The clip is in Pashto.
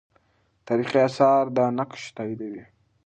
تاریخي آثار دا نقش تاییدوي.